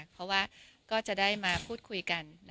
เพราะว่าก็จะได้มาพูดคุยกัน